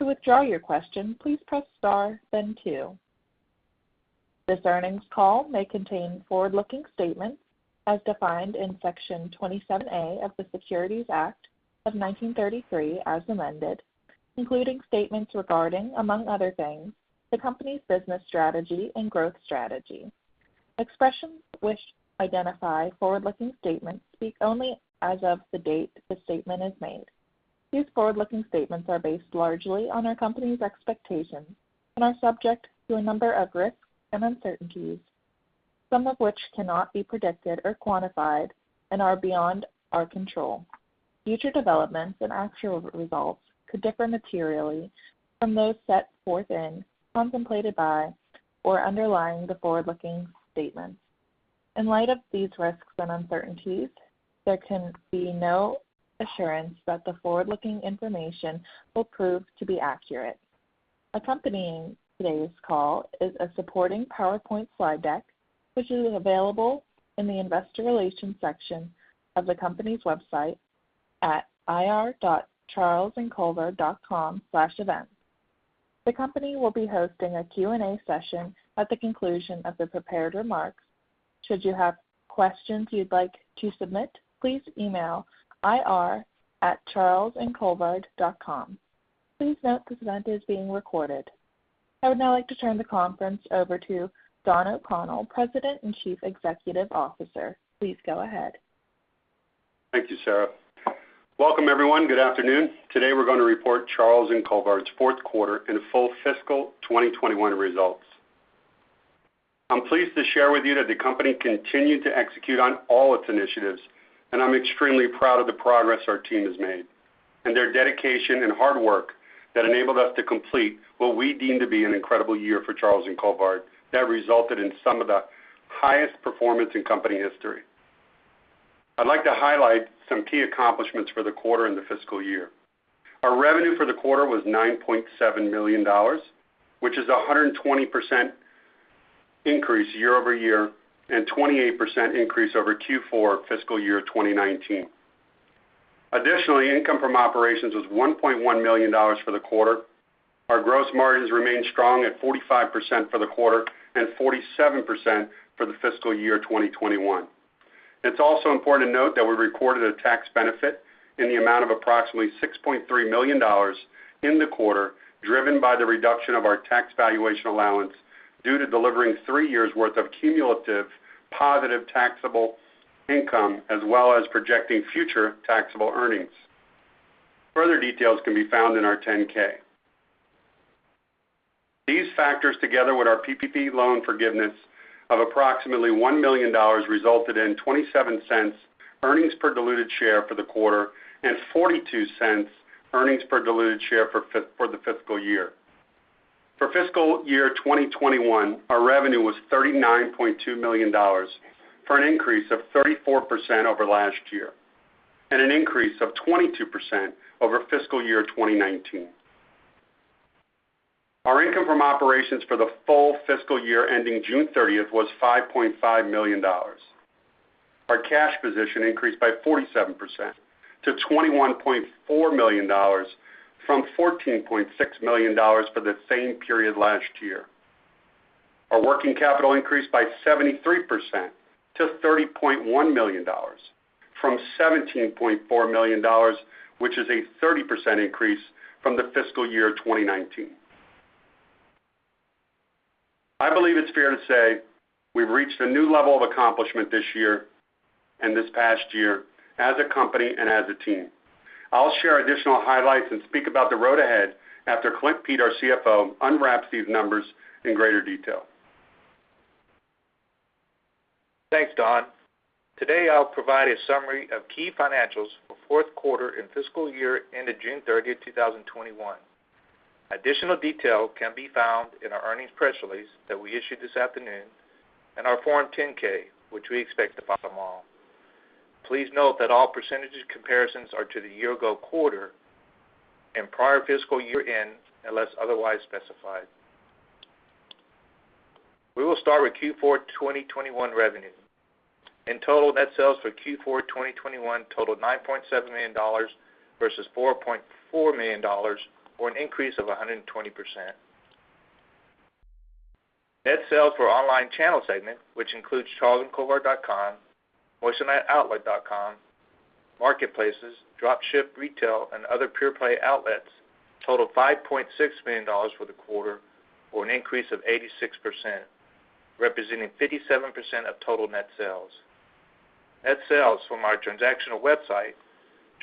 This earnings call may contain forward-looking statements as defined in Section 27A of the Securities Act of 1933 as amended, including statements regarding, among other things, the company's business strategy and growth strategy. Expressions which identify forward-looking statements speak only as of the date the statement is made. These forward-looking statements are based largely on our company's expectations and are subject to a number of risks and uncertainties, some of which cannot be predicted or quantified and are beyond our control. Future developments and actual results could differ materially from those set forth in, contemplated by, or underlying the forward-looking statements. In light of these risks and uncertainties, there can be no assurance that the forward-looking information will prove to be accurate. Accompanying today's call is a supporting PowerPoint slide deck, which is available in the investor relations section of the company's website at ir.charlesandcolvard.com/events. The company will be hosting a Q&A session at the conclusion of the prepared remarks. Should you have questions you'd like to submit, please email ir@charlesandcolvard.com. Please note this event is being recorded. I would now like to turn the conference over to Don O'Connell, President and Chief Executive Officer. Please go ahead. Thank you, Sarah. Welcome, everyone. Good afternoon. Today, we're going to report Charles & Colvard's fourth quarter and full fiscal 2021 results. I'm pleased to share with you that the company continued to execute on all its initiatives, and I'm extremely proud of the progress our team has made and their dedication and hard work that enabled us to complete what we deem to be an incredible year for Charles & Colvard that resulted in some of the highest performance in company history. I'd like to highlight some key accomplishments for the quarter and the fiscal year. Our revenue for the quarter was $9.7 million, which is 120% increase year-over-year, and 28% increase over Q4 fiscal year 2019. Additionally, income from operations was $1.1 million for the quarter. Our gross margins remain strong at 45% for the quarter and 47% for the fiscal year 2021. It's also important to note that we recorded a tax benefit in the amount of approximately $6.3 million in the quarter, driven by the reduction of our tax valuation allowance due to delivering three years' worth of cumulative positive taxable income, as well as projecting future taxable earnings. Further details can be found in our 10-K. These factors, together with our PPP loan forgiveness of approximately $1 million, resulted in $0.27 earnings per diluted share for the quarter and $0.42 earnings per diluted share for the fiscal year. For fiscal year 2021, our revenue was $39.2 million, for an increase of 34% over last year, and an increase of 22% over fiscal year 2019. Our income from operations for the full fiscal year ending 30th June was $5.5 million. Our cash position increased by 47% to $21.4 million from $14.6 million for the same period last year. Our working capital increased by 73% to $30.1 million from $17.4 million, which is a 30% increase from the fiscal year 2019. I believe it's fair to say we've reached a new level of accomplishment this year and this past year as a company and as a team. I'll share additional highlights and speak about the road ahead after Clint Pete, our CFO, unwraps these numbers in greater detail. Thanks, Don. Today, I'll provide a summary of key financials for fourth quarter and fiscal year ended 30 June 2021. Additional detail can be found in our earnings press release that we issued this afternoon and our Form 10-K, which we expect to file tomorrow. Please note that all percentages comparisons are to the year-ago quarter and prior fiscal year end, unless otherwise specified. We will start with Q4 2021 revenue. In total, net sales for Q4 2021 totaled $9.7 million versus $4.4 million, or an increase of 120%. Net sales for our online channel segment, which includes charlesandcolvard.com, moissaniteoutlet.com, marketplaces, drop ship retail, and other pure-play outlets, totaled $5.6 million for the quarter, or an increase of 86%, representing 57% of total net sales. Net sales from our transactional website,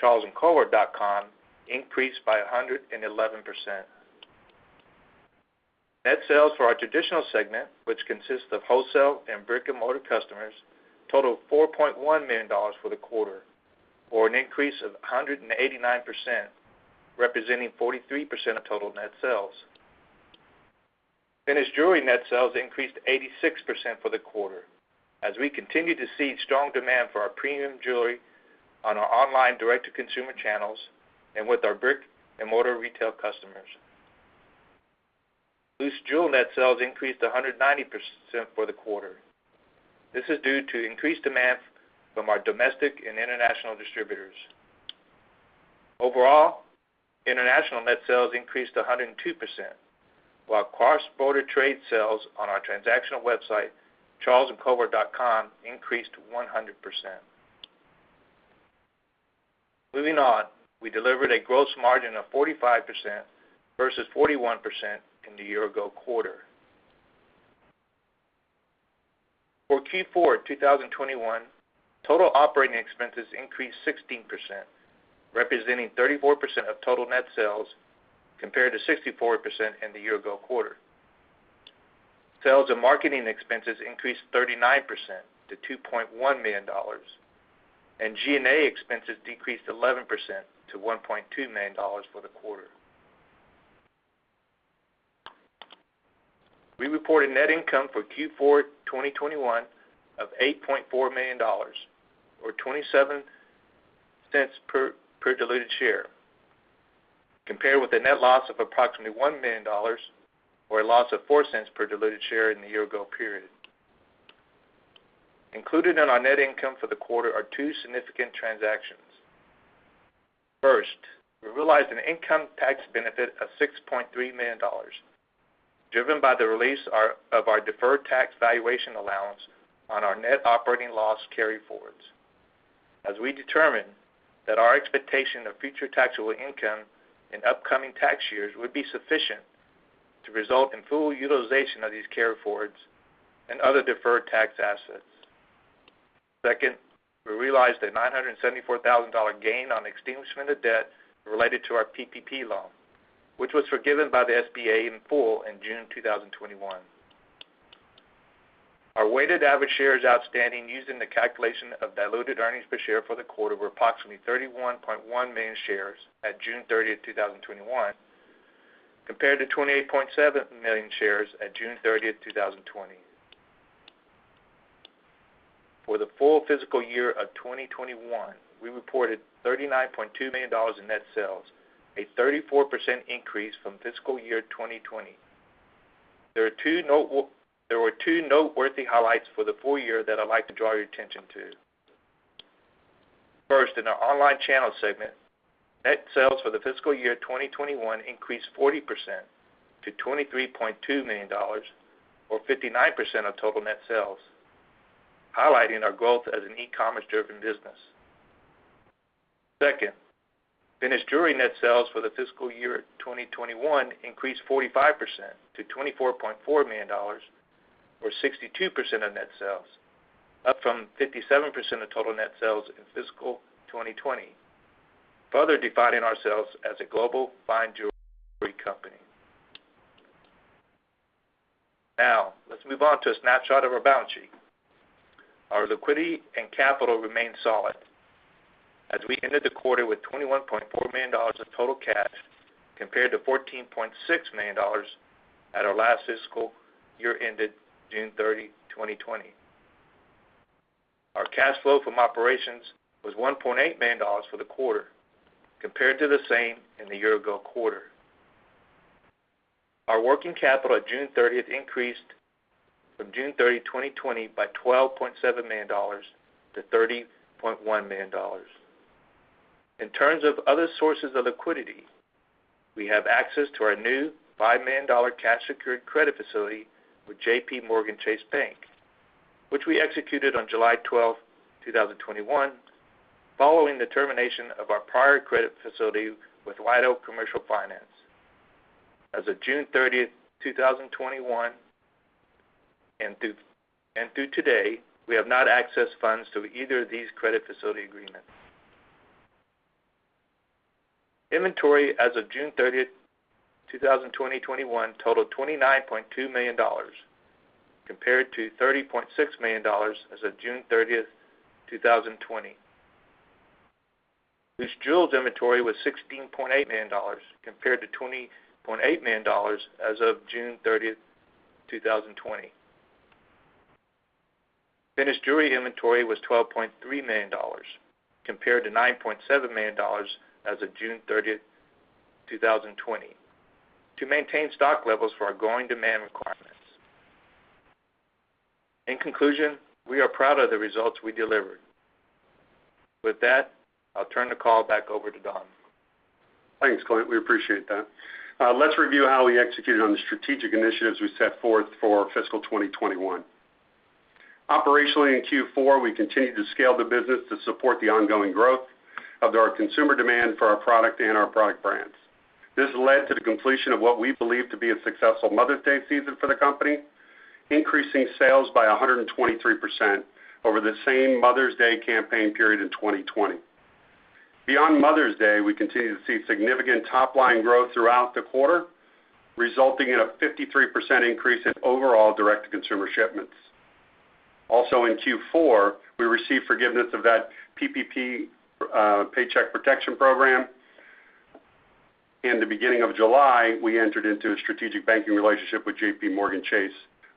charlesandcolvard.com, increased by 111%. Net sales for our traditional segment, which consists of wholesale and brick-and-mortar customers, totaled $4.1 million for the quarter, or an increase of 189%, representing 43% of total net sales. Finished jewelry net sales increased 86% for the quarter as we continue to see strong demand for our premium jewelry on our online direct-to-consumer channels and with our brick-and-mortar retail customers. Loose jewel net sales increased 190% for the quarter. This is due to increased demand from our domestic and international distributors. Overall, international net sales increased 102%, while cross-border trade sales on our transactional website, charlesandcolvard.com, increased 100%. Moving on, we delivered a gross margin of 45% versus 41% in the year-ago quarter. For Q4 2021, total operating expenses increased 16%, representing 34% of total net sales, compared to 64% in the year-ago quarter. Sales and marketing expenses increased 39% to $2.1 million, and G&A expenses decreased 11% to $1.2 million for the quarter. We reported net income for Q4 2021 of $8.4 million, or $0.27 per diluted share, compared with a net loss of approximately $1 million, or a loss of $0.04 per diluted share in the year-ago period. Included in our net income for the quarter are two significant transactions. First, we realized an income tax benefit of $6.3 million, driven by the release of our deferred tax valuation allowance on our net operating loss carryforwards as we determined that our expectation of future taxable income in upcoming tax years would be sufficient to result in full utilization of these carryforwards and other deferred tax assets. Second, we realized a $974,000 gain on extinguishment of debt related to our PPP loan, which was forgiven by the SBA in full in June 2021. Our weighted average shares outstanding used in the calculation of diluted earnings per share for the quarter were approximately 31.1 million shares at 30th June 2021, compared to 28.7 million shares at 30th June 2020. For the full fiscal year of 2021, we reported $39.2 million in net sales, a 34% increase from fiscal year 2020. There were two noteworthy highlights for the full year that I'd like to draw your attention to. First, in our online channel segment, net sales for the fiscal year 2021 increased 40% to $23.2 million, or 59% of total net sales, highlighting our growth as an e-commerce-driven business. Second, finished jewelry net sales for the fiscal year 2021 increased 45% to $24.4 million, or 62% of net sales, up from 57% of total net sales in fiscal 2020, further defining ourselves as a global fine jewelry company. Now, let's move on to a snapshot of our balance sheet. Our liquidity and capital remain solid as we ended the quarter with $21.4 million of total cash compared to $14.6 million at our last fiscal year ended 30 June 2020. Our cash flow from operations was $1.8 million for the quarter, compared to the same in the year-ago quarter. Our working capital at 30th June increased from 30 June 2020, by $12.7 million to $30.1 million. In terms of other sources of liquidity, we have access to our new $5 million cash secured credit facility with JPMorgan Chase Bank, which we executed on 12 July 2021, following the termination of our prior credit facility with White Oak Commercial Finance. As of 30th June 2021, and through today, we have not accessed funds through either of these credit facility agreements. Inventory as of 30th June 2021, totaled $29.2 million, compared to $30.6 million as of 30th June 2020. Loose jewels inventory was $16.8 million, compared to $20.8 million as of 30th June 2020. Finished jewelry inventory was $12.3 million, compared to $9.7 million as of 30th June 2020, to maintain stock levels for our growing demand requirements. In conclusion, we are proud of the results we delivered. With that, I'll turn the call back over to Don. Thanks, Clint. We appreciate that. Let's review how we executed on the strategic initiatives we set forth for fiscal 2021. Operationally in Q4, we continued to scale the business to support the ongoing growth of our consumer demand for our product and our product brands. This led to the completion of what we believe to be a successful Mother's Day season for the company, increasing sales by 123% over the same Mother's Day campaign period in 2020. Beyond Mother's Day, we continue to see significant top-line growth throughout the quarter, resulting in a 53% increase in overall direct-to-consumer shipments. Also in Q4, we received forgiveness of that PPP, Paycheck Protection Program. In the beginning of July, we entered into a strategic banking relationship with JPMorgan Chase,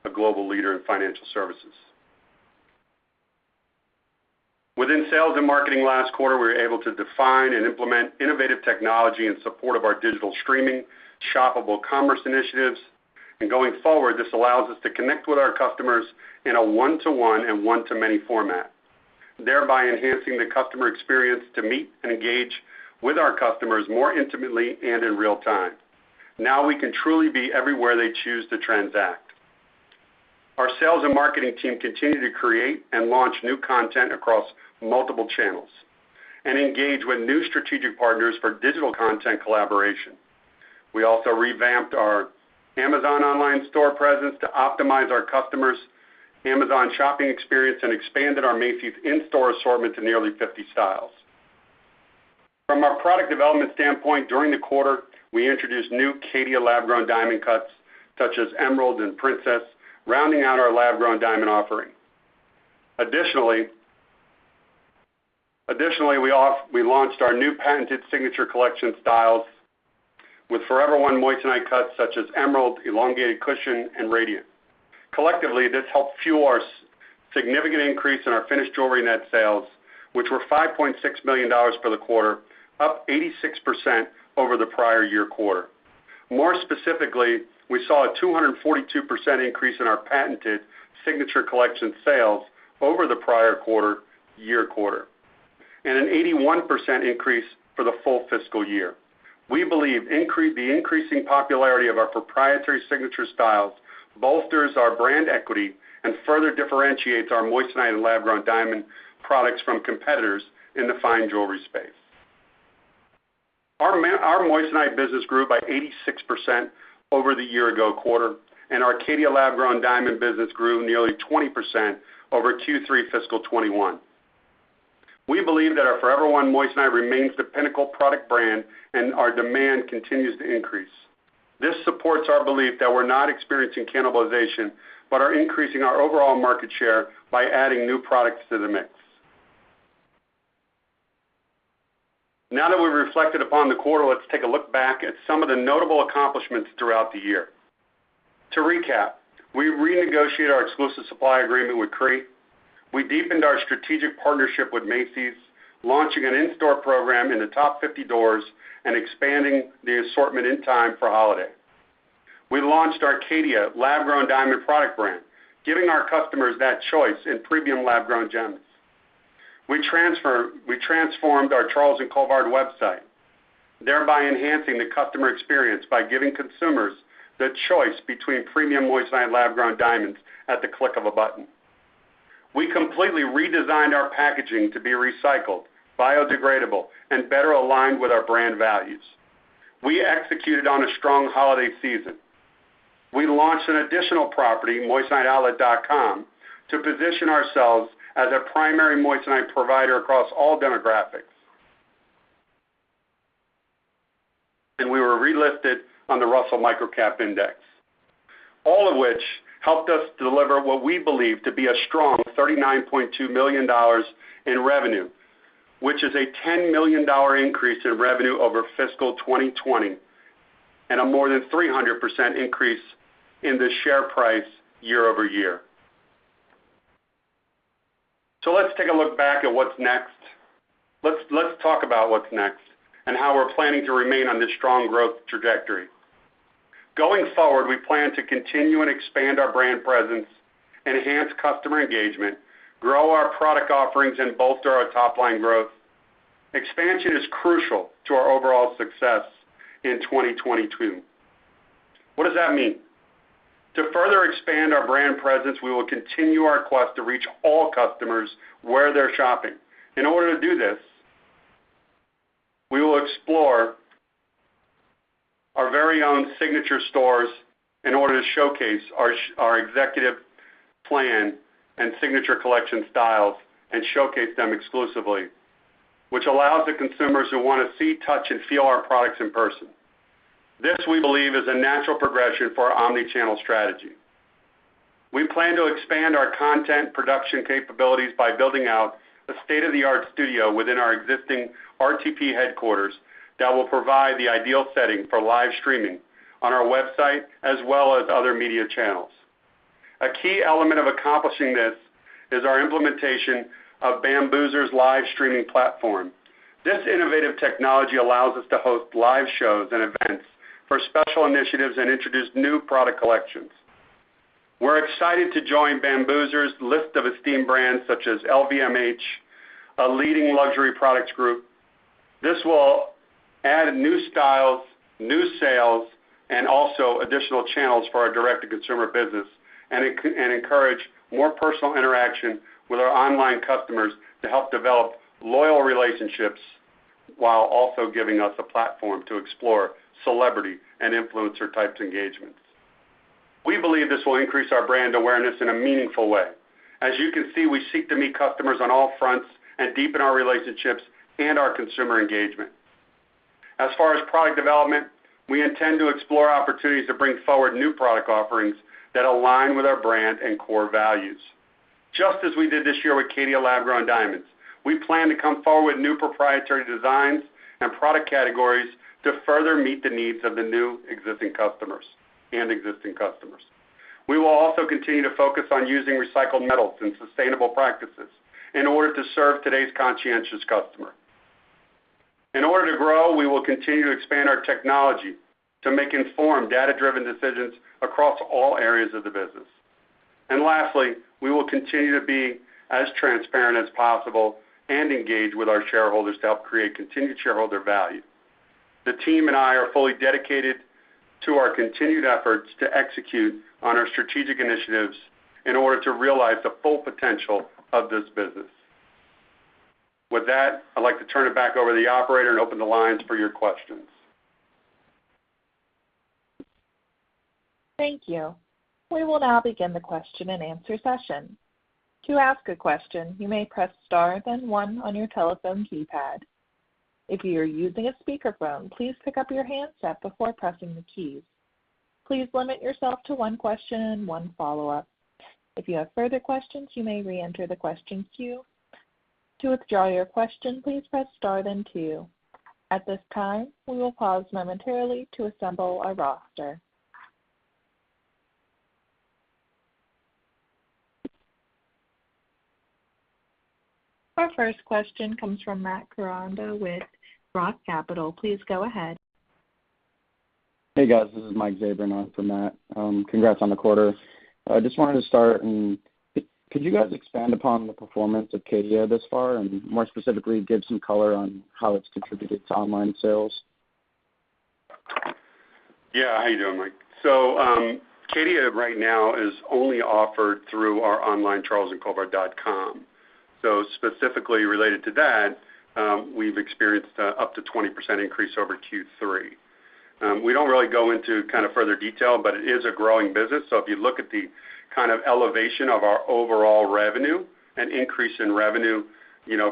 a global leader in financial services. Within sales and marketing last quarter, we were able to define and implement innovative technology in support of our digital streaming, shoppable commerce initiatives. Going forward, this allows us to connect with our customers in a one-to-one and one-to-many format, thereby enhancing the customer experience to meet and engage with our customers more intimately and in real time. Now we can truly be everywhere they choose to transact. Our sales and marketing team continue to create and launch new content across multiple channels and engage with new strategic partners for digital content collaboration. We also revamped our Amazon online store presence to optimize our customers' Amazon shopping experience and expanded our Macy's in-store assortment to nearly 50 styles. From a product development standpoint, during the quarter, we introduced new Caydia lab-grown diamond cuts, such as emerald and princess, rounding out our lab-grown diamond offering. Additionally, we launched our new patented signature collection styles with Forever One moissanite cuts, such as emerald, elongated cushion, and radiant. Collectively, this helped fuel our significant increase in our finished jewelry net sales, which were $5.6 million for the quarter, up 86% over the prior year quarter. More specifically, we saw a 242% increase in our patented signature collection sales over the prior year quarter, and an 81% increase for the full fiscal year. We believe the increasing popularity of our proprietary signature styles bolsters our brand equity and further differentiates our moissanite and lab-grown diamond products from competitors in the fine jewelry space. Our moissanite business grew by 86% over the year-ago quarter, and our Caydia lab-grown diamond business grew nearly 20% over Q3 fiscal 2021. We believe that our Forever One moissanite remains the pinnacle product brand, and our demand continues to increase. This supports our belief that we're not experiencing cannibalization, but are increasing our overall market share by adding new products to the mix. Now that we've reflected upon the quarter, let's take a look back at some of the notable accomplishments throughout the year. To recap, we renegotiated our exclusive supply agreement with Cree. We deepened our strategic partnership with Macy's, launching an in-store program in the top 50 doors and expanding the assortment in time for holiday. We launched our Caydia lab-grown diamond product brand, giving our customers that choice in premium lab-grown gems. We transformed our Charles & Colvard website, thereby enhancing the customer experience by giving consumers the choice between premium moissanite and lab-grown diamonds at the click of a button. We completely redesigned our packaging to be recycled, biodegradable, and better aligned with our brand values. We executed on a strong holiday season. We launched an additional property, moissaniteoutlet.com, to position ourselves as a primary moissanite provider across all demographics. We were relisted on the Russell Microcap Index. All of which helped us deliver what we believe to be a strong $39.2 million in revenue, which is a $10 million increase in revenue over fiscal 2020, and a more than 300% increase in the share price year-over-year. Let's take a look back at what's next. Let's talk about what's next and how we're planning to remain on this strong growth trajectory. Going forward, we plan to continue and expand our brand presence, enhance customer engagement, grow our product offerings, and bolster our top-line growth. Expansion is crucial to our overall success in 2022. What does that mean? To further expand our brand presence, we will continue our quest to reach all customers where they're shopping. In order to do this, we will explore our very own signature stores in order to showcase our executive plan and signature collection styles and showcase them exclusively, which allows the consumers who want to see, touch, and feel our products in person. This, we believe, is a natural progression for our omni-channel strategy. We plan to expand our content production capabilities by building out a state-of-the-art studio within our existing RTP headquarters that will provide the ideal setting for live streaming on our website, as well as other media channels. A key element of accomplishing this is our implementation of Bambuser's live streaming platform. This innovative technology allows us to host live shows and events for special initiatives and introduce new product collections. We're excited to join Bambuser's list of esteemed brands, such as LVMH, a leading luxury products group. This will add new styles, new sales, and also additional channels for our direct-to-consumer business and encourage more personal interaction with our online customers to help develop loyal relationships while also giving us a platform to explore celebrity and influencer types of engagements. We believe this will increase our brand awareness in a meaningful way. As you can see, we seek to meet customers on all fronts and deepen our relationships and our consumer engagement. As far as product development, we intend to explore opportunities to bring forward new product offerings that align with our brand and core values. Just as we did this year with Caydia lab-grown diamonds, we plan to come forward with new proprietary designs and product categories to further meet the needs of the new existing customers and existing customers. We will also continue to focus on using recycled metals and sustainable practices in order to serve today's conscientious customer. In order to grow, we will continue to expand our technology to make informed data-driven decisions across all areas of the business. Lastly, we will continue to be as transparent as possible and engage with our shareholders to help create continued shareholder value. The team and I are fully dedicated to our continued efforts to execute on our strategic initiatives in order to realize the full potential of this business. With that, I'd like to turn it back over to the operator and open the lines for your questions. Thank you. We will now begin the question-and-answer session. To ask a question, you may press star then one on your telephone keypad. If you are using a speakerphone, please pick up your handset before pressing the keys. Please limit yourself to one question and one follow-up. If you have further questions, you may reenter the question queue. To withdraw your question, please press star then two. At this time, we will pause momentarily to assemble our roster. Our first question comes from Matt Koranda with Roth Capital. Please go ahead. Hey, guys. This is Mike Zaban, off of Matt. Congrats on the quarter. I just wanted to start, could you guys expand upon the performance of Caydia this far? More specifically, give some color on how it's contributed to online sales? Yeah. How are you doing, Mike? Caydia right now is only offered through our online charlesandcolvard.com. Specifically related to that, we've experienced up to 20% increase over Q3. We don't really go into kind of further detail, it is a growing business, if you look at the kind of elevation of our overall revenue, an increase in revenue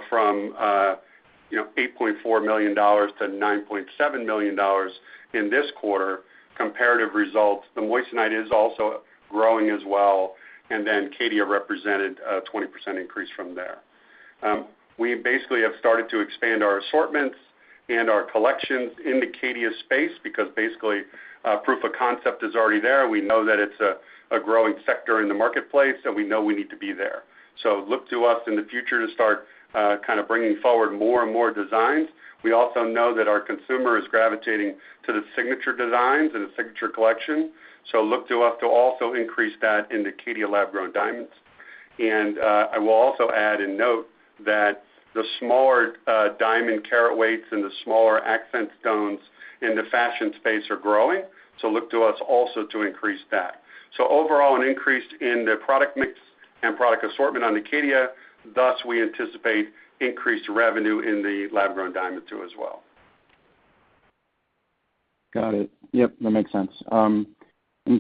from $8.4 million to $9.7 million in this quarter, comparative results, the moissanite is also growing as well, Caydia represented a 20% increase from there. We basically have started to expand our assortments and our collections in the Caydia space because basically, proof of concept is already there. We know that it's a growing sector in the marketplace, we know we need to be there. Look to us in the future to start kind of bringing forward more and more designs. We also know that our consumer is gravitating to the signature designs and the signature collection, so look to us to also increase that in the Caydia lab-grown diamonds. I will also add and note that the smaller diamond carat weights and the smaller accent stones in the fashion space are growing, so look to us also to increase that. Overall, an increase in the product mix and product assortment on the Caydia, thus we anticipate increased revenue in the lab-grown diamond too as well. Got it. Yep, that makes sense.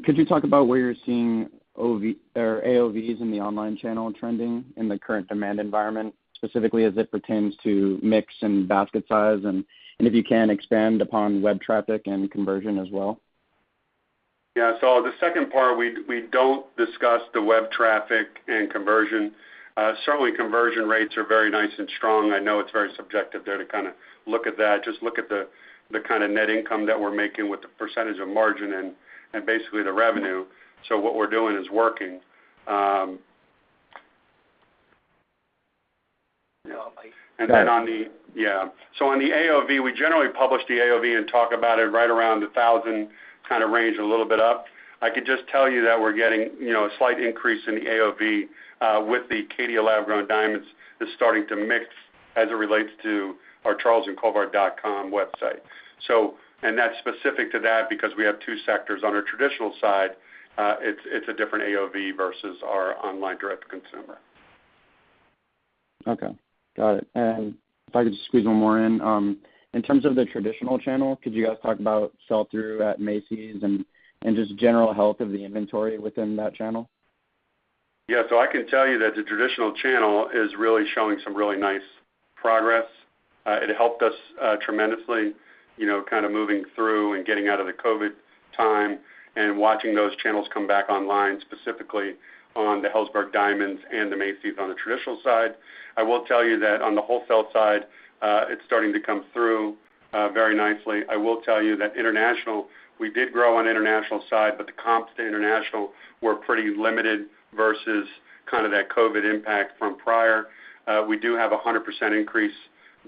Could you talk about where you're seeing AOV's in the online channel trending in the current demand environment, specifically as it pertains to mix and basket size? If you can, expand upon web traffic and conversion as well. Yeah. The second part, we don't discuss the web traffic and conversion. Certainly conversion rates are very nice and strong. I know it's very subjective there to kind of look at that. Just look at the kind of net income that we're making with the percentage of margin and basically the revenue. What we're doing is working. Yeah. On the AOV, we generally publish the AOV and talk about it right around $1,000 kind of range, a little bit up. I could just tell you that we're getting a slight increase in the AOV, with the Caydia lab-grown diamonds is starting to mix as it relates to our charlesandcolvard.com website. That's specific to that because we have two sectors. On our traditional side, it's a different AOV versus our online direct-to-consumer. Okay. Got it. If I could just squeeze one more in. In terms of the traditional channel, could you guys talk about sell-through at Macy's and just general health of the inventory within that channel? Yeah. I can tell you that the traditional channel is really showing some really nice progress. It helped us tremendously kind of moving through and getting out of the COVID time and watching those channels come back online, specifically on the Helzberg Diamonds and the Macy's on the traditional side. I will tell you that on the wholesale side, it's starting to come through very nicely. I will tell you that international, we did grow on international side, the comps to international were pretty limited versus kind of that COVID impact from prior. We do have 100% increase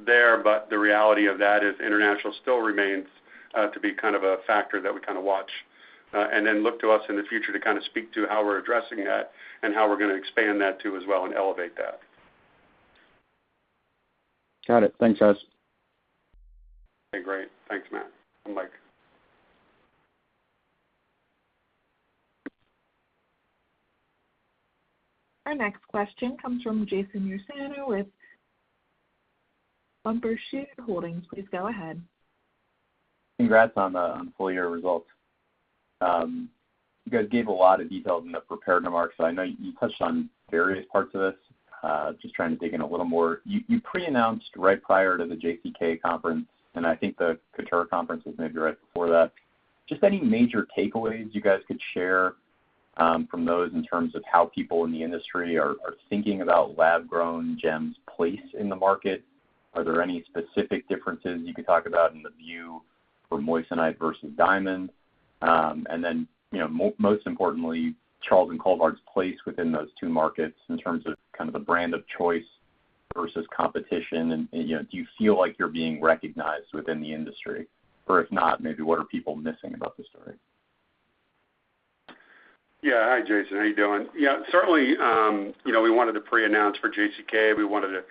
there, the reality of that is international still remains to be kind of a factor that we kind of watch. Look to us in the future to kind of speak to how we're addressing that and how we're going to expand that too as well and elevate that. Got it. Thanks, guys. Okay, great. Thanks, Matt and Mike. Our next question comes from Jason Ursaner with Bumbershoot Holdings. Please go ahead. Congrats on the full year results. You guys gave a lot of details in the prepared remarks, so I know you touched on various parts of this. Just trying to dig in a little more. You pre-announced right prior to the JCK conference, and I think the Couture conference was maybe right before that. Just any major takeaways you guys could share from those, in terms of how people in the industry are thinking about lab-grown gems' place in the market? Are there any specific differences you could talk about in the view for moissanite versus diamond? Most importantly, Charles & Colvard's place within those two markets in terms of the brand of choice versus competition, and do you feel like you're being recognized within the industry? If not, maybe what are people missing about the story? Hi, Jason. How you doing? Certainly, we wanted to pre-announce for JCK. We wanted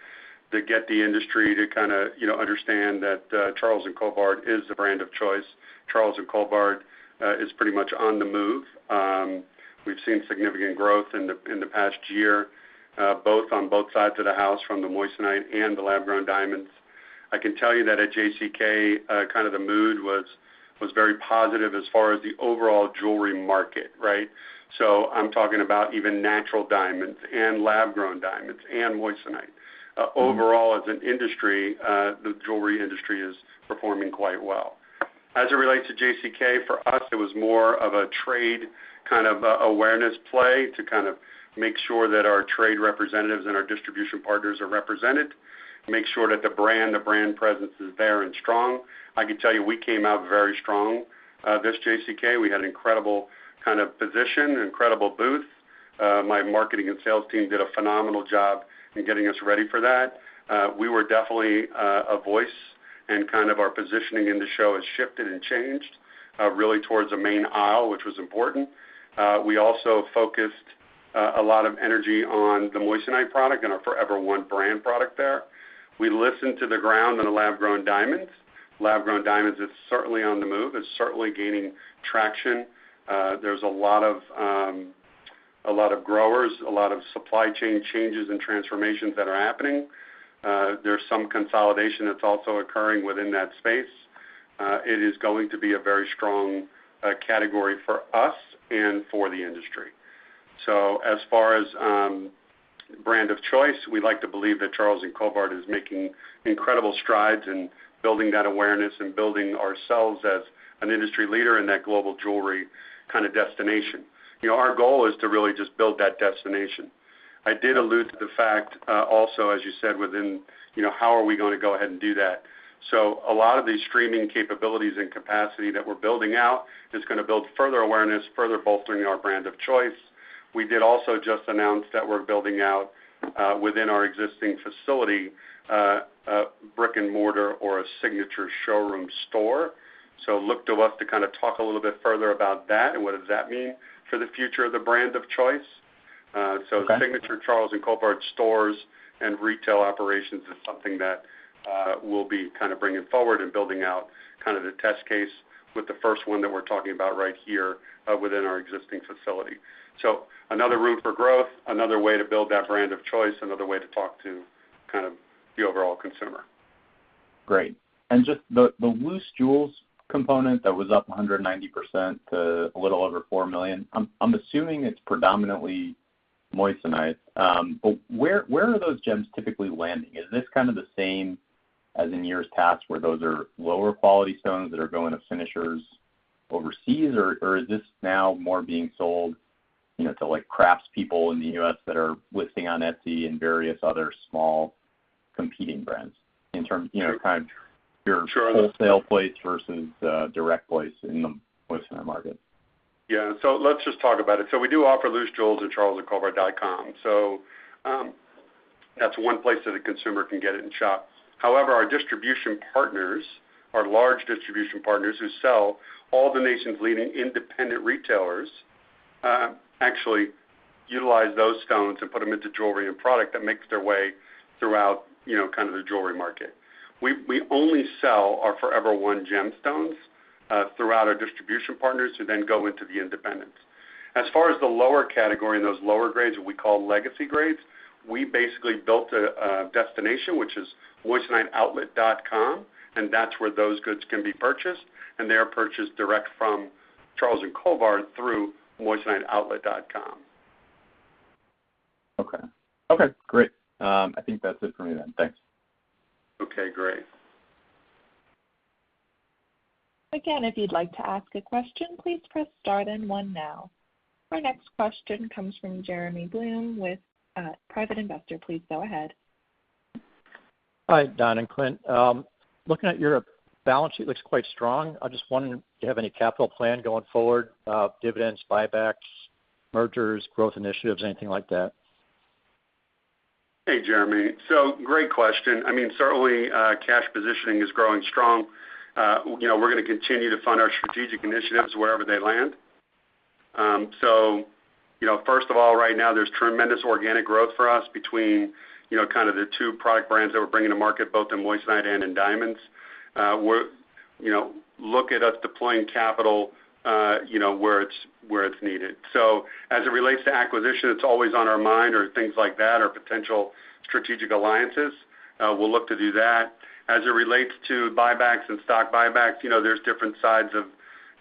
to get the industry to understand that Charles & Colvard is the brand of choice. Charles & Colvard is pretty much on the move. We've seen significant growth in the past year, both on both sides of the house, from the moissanite and the lab-grown diamonds. I can tell you that at JCK, the mood was very positive as far as the overall jewelry market, right? I'm talking about even natural diamonds and lab-grown diamonds and moissanite. Overall, as an industry, the jewelry industry is performing quite well. As it relates to JCK, for us, it was more of a trade kind of awareness play to kind of make sure that our trade representatives and our distribution partners are represented, make sure that the brand presence is there and strong. I can tell you, we came out very strong this JCK. We had incredible position, incredible booth. My marketing and sales team did a phenomenal job in getting us ready for that. We were definitely a voice, and kind of our positioning in the show has shifted and changed, really towards the main aisle, which was important. We also focused a lot of energy on the moissanite product and our Forever One brand product there. We listened to the ground on the lab-grown diamonds. Lab-grown diamonds is certainly on the move. It's certainly gaining traction. There's a lot of growers, a lot of supply chain changes and transformations that are happening. There's some consolidation that's also occurring within that space. It is going to be a very strong category for us and for the industry. As far as brand of choice, we like to believe that Charles & Colvard is making incredible strides in building that awareness and building ourselves as an industry leader in that global jewelry kind of destination. Our goal is to really just build that destination. I did allude to the fact also, as you said, within how are we going to go ahead and do that. A lot of these streaming capabilities and capacity that we're building out is going to build further awareness, further bolstering our brand of choice. We did also just announce that we're building out within our existing facility, a brick and mortar or a signature showroom store. Look to us to kind of talk a little bit further about that and what does that mean for the future of the brand of choice. Okay. Signature Charles & Colvard stores and retail operations is something that we'll be kind of bringing forward and building out kind of the test case with the first one that we're talking about right here within our existing facility. Another route for growth, another way to build that brand of choice, another way to talk to kind of the overall consumer. Great. Just the loose jewels component that was up 190% to a little over $4 million, I'm assuming it's predominantly moissanite. Where are those gems typically landing? Is this kind of the same as in years past, where those are lower quality stones that are going to finishers overseas, or is this now more being sold to craftspeople in the U.S. that are listing on Etsy and various other small competing brands? Sure wholesale place versus direct place in the moissanite market? Let's just talk about it. We do offer loose jewels at charlesandcolvard.com, so that's one place that a consumer can get it and shop. However, our distribution partners, our large distribution partners who sell all the nation's leading independent retailers actually utilize those stones and put them into jewelry and product that makes their way throughout kind of the jewelry market. We only sell our Forever One gemstones throughout our distribution partners, who then go into the independents. As far as the lower category and those lower grades, what we call legacy grades, we basically built a destination, which is moissaniteoutlet.com, and that's where those goods can be purchased, and they are purchased direct from Charles & Colvard through moissaniteoutlet.com. Okay. Great. I think that's it for me then. Thanks. Okay, great. Again, if you'd like to ask a question, please press star then one now. Our next question comes from Jeremy Bloom with Private Investor. Please go ahead. Hi, Don and Clint. Looking at your balance sheet, looks quite strong. I just wondered, do you have any capital plan going forward? Dividends, buybacks, mergers, growth initiatives, anything like that? Hey, Jeremy. Great question. I mean, certainly, cash positioning is growing strong. We're gonna continue to fund our strategic initiatives wherever they land. First of all, right now there's tremendous organic growth for us between kind of the two product brands that we're bringing to market, both in moissanite and in diamonds. Look at us deploying capital where it's needed. As it relates to acquisition, it's always on our mind or things like that, or potential strategic alliances. We'll look to do that. As it relates to buybacks and stock buybacks, there's different sides of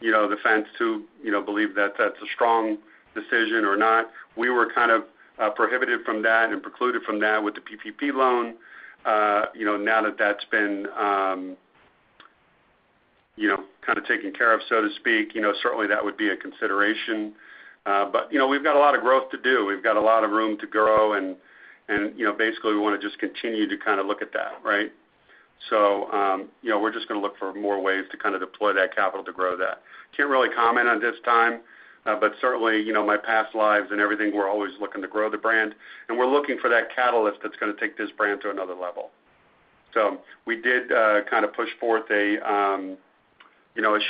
the fence who believe that that's a strong decision or not. We were kind of prohibited from that and precluded from that with the PPP loan. Now that that's been kind of taken care of, so to speak, certainly that would be a consideration. We've got a lot of growth to do. We've got a lot of room to grow, and basically we want to just continue to look at that, right? We're just going to look for more ways to deploy that capital to grow that. Can't really comment on this time. Certainly, my past lives and everything, we're always looking to grow the brand, and we're looking for that catalyst that's going to take this brand to another level. We did kind of push forth a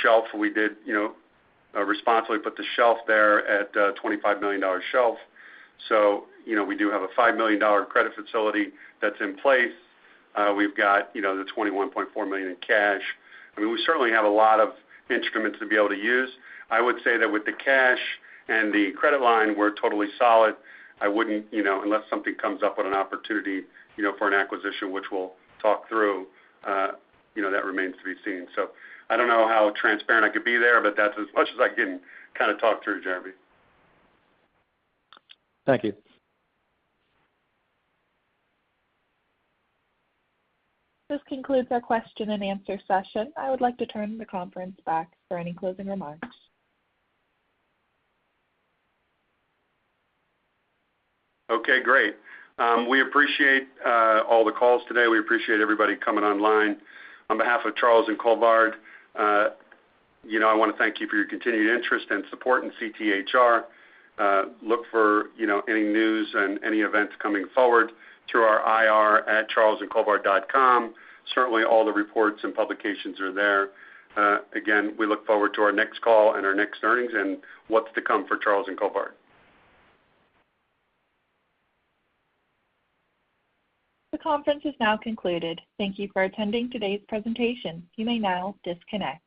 shelf. We did responsibly put the shelf there at a $25 million shelf. We do have a $5 million credit facility that's in place. We've got the $21.4 million in cash. I mean, we certainly have a lot of instruments to be able to use. I would say that with the cash and the credit line, we're totally solid. I wouldn't, unless something comes up with an opportunity for an acquisition, which we'll talk through, that remains to be seen. I don't know how transparent I can be there, but that's as much as I can kind of talk through, Jeremy. Thank you. This concludes our question-and-answer session. I would like to turn the conference back for any closing remarks. Okay, great. We appreciate all the calls today. We appreciate everybody coming online. On behalf of Charles & Colvard, I want to thank you for your continued interest and support in CTHR. Look for any news and any events coming forward through our ir@charlesandcolvard.com. Certainly, all the reports and publications are there. Again, we look forward to our next call and our next earnings and what's to come for Charles & Colvard. The conference is now concluded. Thank you for attending today's presentation. You may now disconnect.